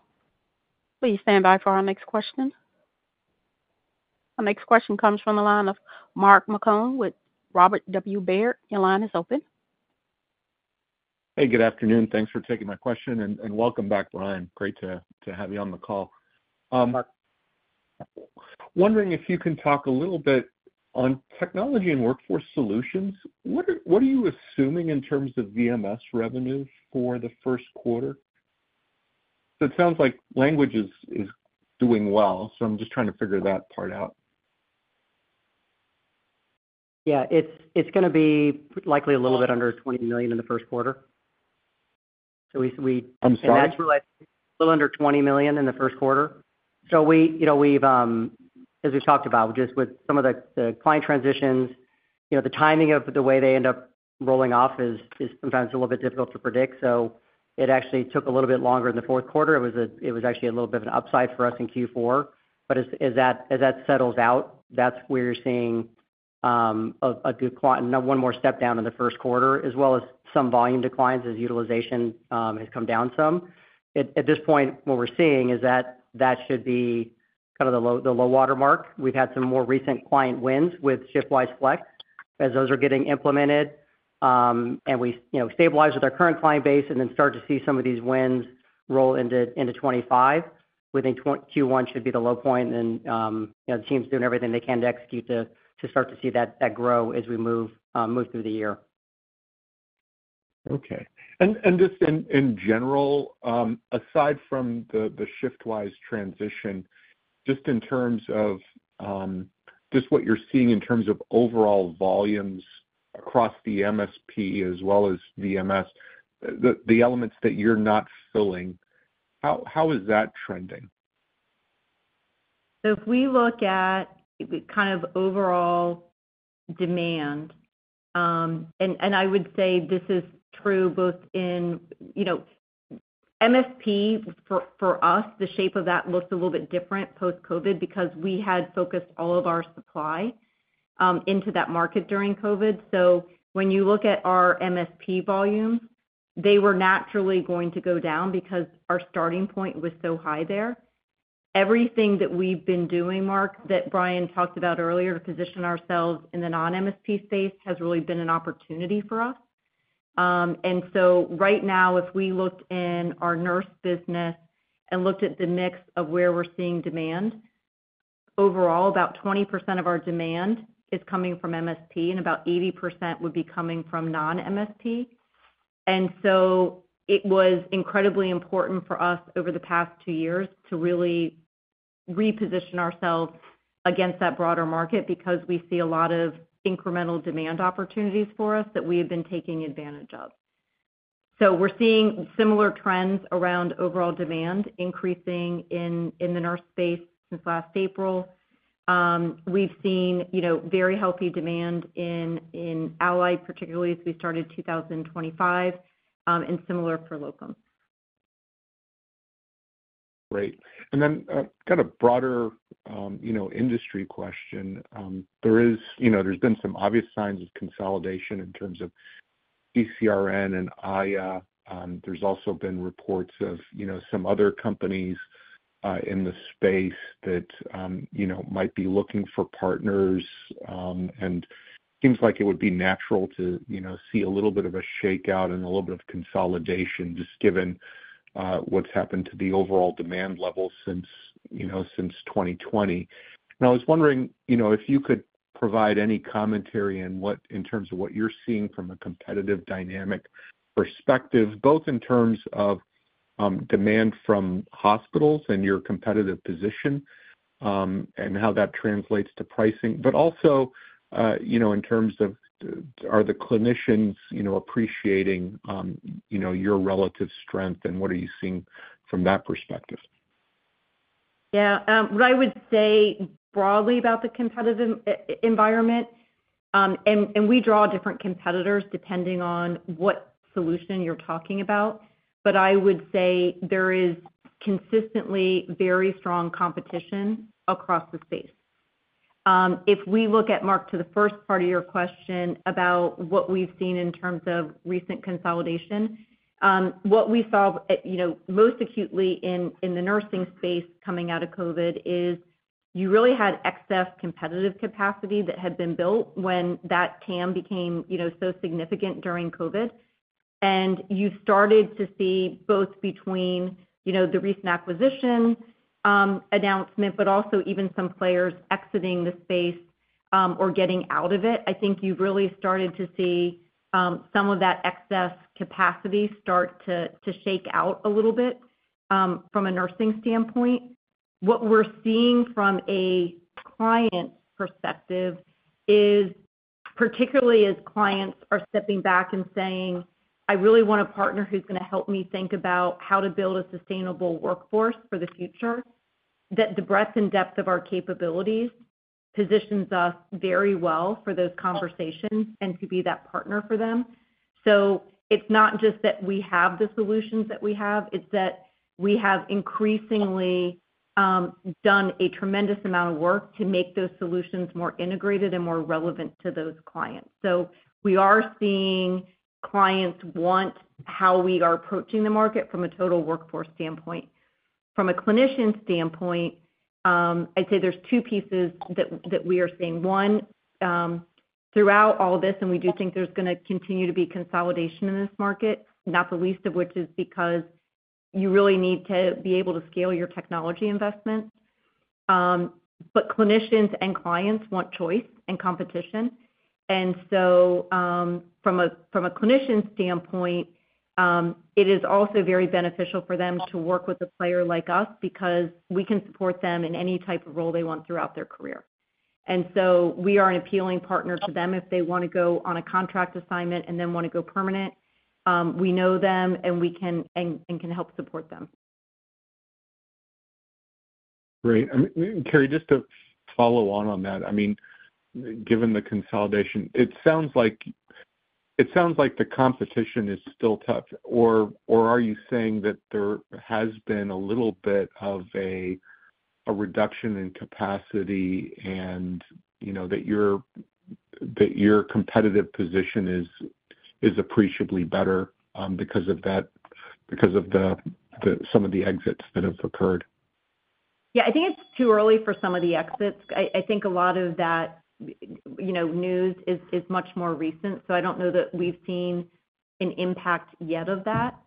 Please stand by for our next question. Our next question comes from the line of Mark Marcon with Robert W. Baird. Your line is open. Hey, good afternoon. Thanks for taking my question. And welcome back, Brian. Great to have you on the call. Wondering if you can talk a little bit on technology and workforce solutions. What are you assuming in terms of VMS revenue for the Q1? So it sounds like language is doing well. So I'm just trying to figure that part out. It's going to be likely a little bit under $20 million in the Q1. A little under $20 million in the Q1, so as we've talked about, just with some of the client transitions, the timing of the way they end up rolling off is sometimes a little bit difficult to predict, so it actually took a little bit longer in the Q4. It was actually a little bit of an upside for us in Q4, but as that settles out, that's where you're seeing a decline and one more step down in the Q1, as well as some volume declines as utilization has come down some. At this point, what we're seeing is that that should be kind of the low watermark. We've had some more recent client wins with ShiftWise Flex as those are getting implemented. We stabilize with our current client base and then start to see some of these wins roll into 2025. We think Q1 should be the low point, and the team's doing everything they can to execute to start to see that grow as we move through the year. Okay. And just in general, aside from the ShiftWise transition, just in terms of just what you're seeing in terms of overall volumes across the MSP as well as VMS, the elements that you're not filling, how is that trending? So if we look at kind of overall demand, and I would say this is true both in MSP for us, the shape of that looks a little bit different post-COVID because we had focused all of our supply into that market during COVID. So when you look at our MSP volumes, they were naturally going to go down because our starting point was so high there. Everything that we've been doing, Mark, that Brian talked about earlier to position ourselves in the non-MSP space has really been an opportunity for us. And so right now, if we looked in our nurse business and looked at the mix of where we're seeing demand, overall, about 20% of our demand is coming from MSP, and about 80% would be coming from non-MSP. And so it was incredibly important for us over the past two years to really reposition ourselves against that broader market because we see a lot of incremental demand opportunities for us that we have been taking advantage of. So we're seeing similar trends around overall demand increasing in the nurse space since last April. We've seen very healthy demand in allied, particularly as we started 2025, and similar for locums. Great. And then kind of broader industry question. There's been some obvious signs of consolidation in terms of CCRN and Aya. There's also been reports of some other companies in the space that might be looking for partners. And it seems like it would be natural to see a little bit of a shakeout and a little bit of consolidation just given what's happened to the overall demand level since 2020. Now, I was wondering if you could provide any commentary in terms of what you're seeing from a competitive dynamic perspective, both in terms of demand from hospitals and your competitive position and how that translates to pricing, but also in terms of are the clinicians appreciating your relative strength, and what are you seeing from that perspective? What I would say broadly about the competitive environment, and we draw different competitors depending on what solution you're talking about, but I would say there is consistently very strong competition across the space. If we look at, Mark, to the first part of your question about what we've seen in terms of recent consolidation, what we saw most acutely in the nursing space coming out of COVID is you really had excess competitive capacity that had been built when that TAM became so significant during COVID, and you've started to see both between the recent acquisition announcement, but also even some players exiting the space or getting out of it. I think you've really started to see some of that excess capacity start to shake out a little bit from a nursing standpoint. What we're seeing from a client perspective is, particularly as clients are stepping back and saying, "I really want a partner who's going to help me think about how to build a sustainable workforce for the future," that the breadth and depth of our capabilities positions us very well for those conversations and to be that partner for them. So it's not just that we have the solutions that we have. It's that we have increasingly done a tremendous amount of work to make those solutions more integrated and more relevant to those clients. So we are seeing clients want how we are approaching the market from a total workforce standpoint. From a clinician standpoint, I'd say there's two pieces that we are seeing. One, throughout all this, and we do think there's going to continue to be consolidation in this market, not the least of which is because you really need to be able to scale your technology investments. But clinicians and clients want choice and competition. And so from a clinician standpoint, it is also very beneficial for them to work with a player like us because we can support them in any type of role they want throughout their career. And so we are an appealing partner to them if they want to go on a contract assignment and then want to go permanent. We know them, and we can help support them. Great. And Cary, just to follow on that, I mean, given the consolidation, it sounds like the competition is still tough. Or are you saying that there has been a little bit of a reduction in capacity and that your competitive position is appreciably better because of some of the exits that have occurred? Yeah. I think it's too early for some of the exits. I think a lot of that news is much more recent. So I don't know that we've seen an impact yet of that.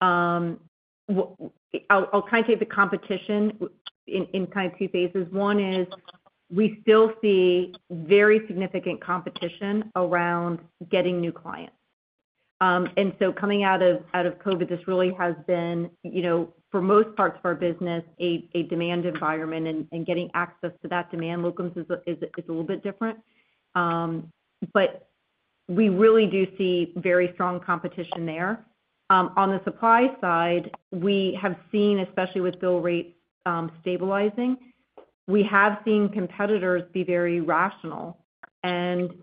I'll kind of take the competition in kind of two phases. One is we still see very significant competition around getting new clients. And so coming out of COVID, this really has been, for most parts of our business, a demand environment, and getting access to that demand. Locums is a little bit different. But we really do see very strong competition there. On the supply side, we have seen, especially with bill rates stabilizing, we have seen competitors be very rational.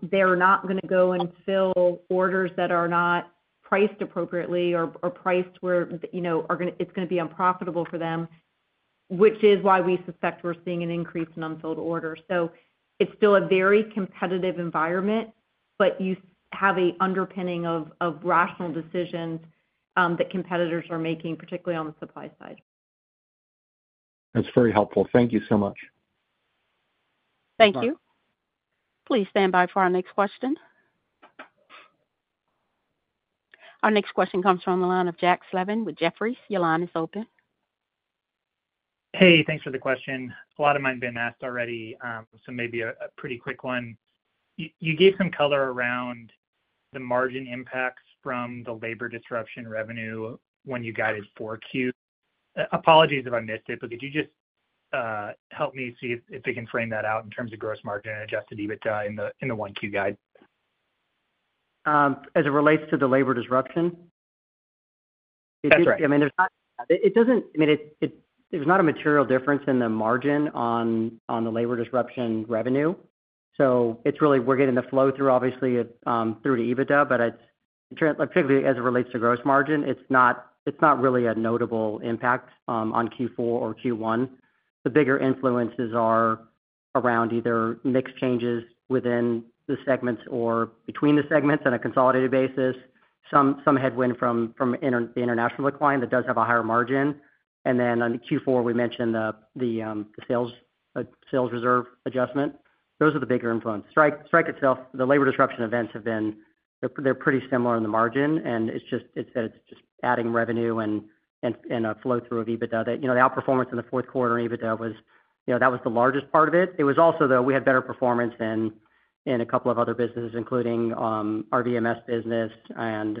They're not going to go and fill orders that are not priced appropriately or priced where it's going to be unprofitable for them, which is why we suspect we're seeing an increase in unfilled orders. It's still a very competitive environment, but you have an underpinning of rational decisions that competitors are making, particularly on the supply side. That's very helpful. Thank you so much. Thank you. Please stand by for our next question. Our next question comes from the line of Jack Slevin with Jefferies. Your line is open. Hey, thanks for the question. A lot of mine have been asked already, so maybe a pretty quick one. You gave some color around the margin impacts from the labor disruption revenue when you guided for Q4. Apologies if I missed it, but could you just help me see if we can frame that out in terms of gross margin, adjusted EBITDA in the 1Q guide? As it relates to the labor disruption? That's right. I mean, there's not—I mean, there's not a material difference in the margin on the labor disruption revenue. So it's really we're getting the flow through, obviously, through to EBITDA, but particularly as it relates to gross margin, it's not really a notable impact on Q4 or Q1. The bigger influences are around either mix changes within the segments or between the segments on a consolidated basis, some headwind from the international client that does have a higher margin. And then on Q4, we mentioned the sales reserve adjustment. Those are the bigger influences. Strike itself, the labor disruption events have been, they're pretty similar in the margin, and it's just adding revenue and a flow through of EBITDA. The outperformance in the Q4 in EBITDA, that was the largest part of it. It was also, though, we had better performance in a couple of other businesses, including our VMS business and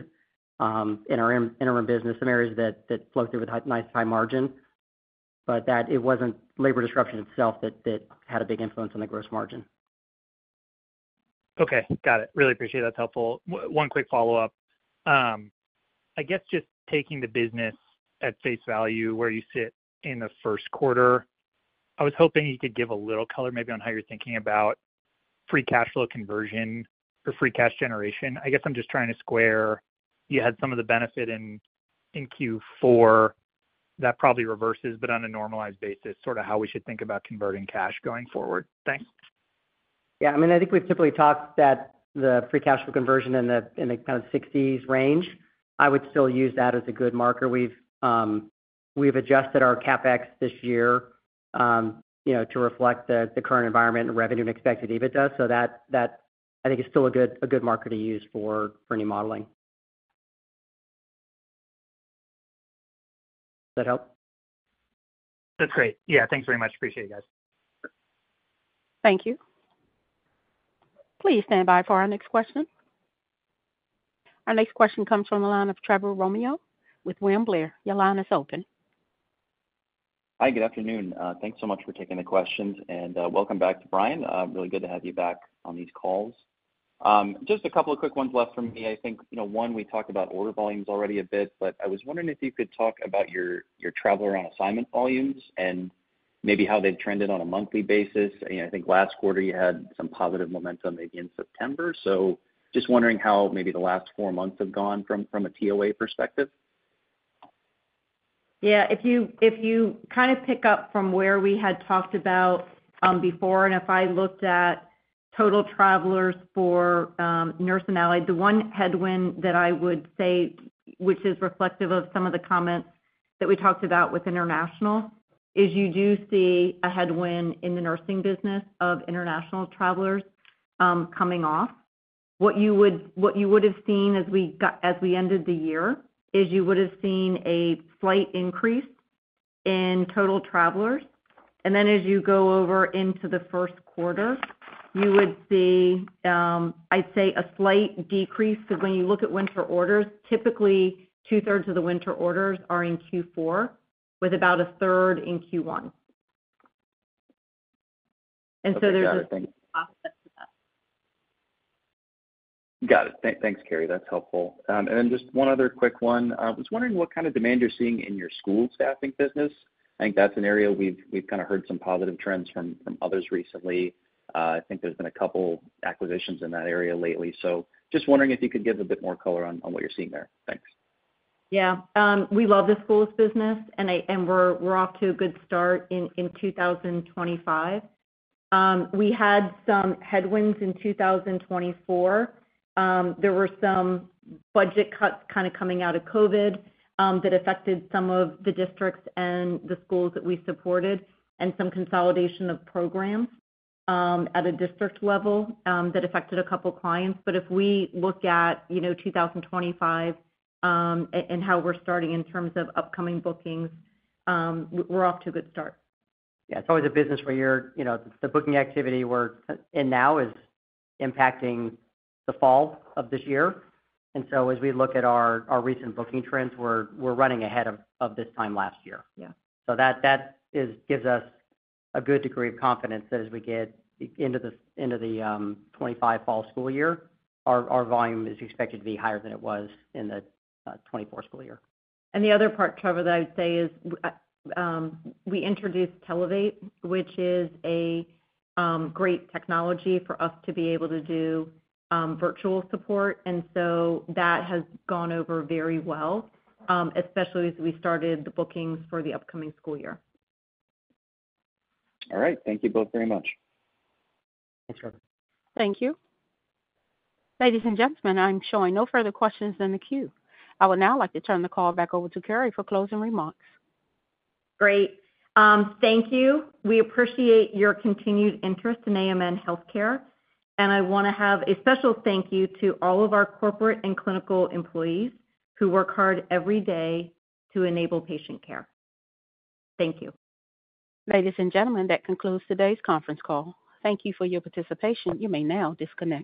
in our interim business, some areas that flow through with a nice high margin. But it wasn't labor disruption itself that had a big influence on the gross margin. Okay. Got it. Really appreciate it. That's helpful. One quick follow-up. I guess just taking the business at face value where you sit in the Q1, I was hoping you could give a little color maybe on how you're thinking about free cash flow conversion or free cash generation. I guess I'm just trying to square with you had some of the benefit in Q4 that probably reverses, but on a normalized basis, sort of how we should think about cash conversion going forward. Thanks. Yeah. I mean, I think we've typically talked that the free cash flow conversion in the kind of 60s range, I would still use that as a good marker. We've adjusted our CapEx this year to reflect the current environment and revenue and expected EBITDA. So that, I think, is still a good marker to use for any modeling. Does that help? That's great. Yeah. Thanks very much. Appreciate it, guys. Thank you. Please stand by for our next question. Our next question comes from the line of Trevor Romeo with William Blair. Your line is open. Hi. Good afternoon. Thanks so much for taking the questions and welcome back to Brian. Really good to have you back on these calls. Just a couple of quick ones left for me. I think one, we talked about order volumes already a bit, but I was wondering if you could talk about your Travelers on Assignment volumes and maybe how they've trended on a monthly basis. I think last quarter, you had some positive momentum maybe in September. So just wondering how maybe the last four months have gone from a TOA perspective? Yeah. If you kind of pick up from where we had talked about before, and if I looked at total travelers for Nurse and Allied, the one headwind that I would say, which is reflective of some of the comments that we talked about with international, is you do see a headwind in the nursing business of international travelers coming off. What you would have seen as we ended the year is you would have seen a slight increase in total travelers. And then as you go over into the Q1, you would see, I'd say, a slight decrease. So when you look at winter orders, typically two-thirds of the winter orders are in Q4, with about a third in Q1. Got it. Thanks, Cary. That's helpful. And then just one other quick one. I was wondering what kind of demand you're seeing in your school staffing business. I think that's an area we've kind of heard some positive trends from others recently. I think there's been a couple of acquisitions in that area lately. So just wondering if you could give a bit more color on what you're seeing there? Thanks. Yeah. We love the Schools business, and we're off to a good start in 2025. We had some headwinds in 2024. There were some budget cuts kind of coming out of COVID that affected some of the districts and the Schools that we supported, and some consolidation of programs at a district level that affected a couple of clients. But if we look at 2025 and how we're starting in terms of upcoming bookings, we're off to a good start. Yeah. It's always a business where the booking activity we're in now is impacting the fall of this year. And so as we look at our recent booking trends, we're running ahead of this time last year. So that gives us a good degree of confidence that as we get into the 2025 fall school year, our volume is expected to be higher than it was in the 2024 school year. And the other part, Trevor, that I would say is we introduced Televate, which is a great technology for us to be able to do virtual support. And so that has gone over very well, especially as we started the bookings for the upcoming school year. All right. Thank you both very much. Thanks, Trevor. Thank you. Ladies and gentlemen, I'm showing no further questions in the queue. I would now like to turn the call back over to Cary for closing remarks. Great. Thank you. We appreciate your continued interest in AMN Healthcare. And I want to have a special thank you to all of our corporate and clinical employees who work hard every day to enable patient care. Thank you. Ladies and gentlemen, that concludes today's conference call. Thank you for your participation. You may now disconnect.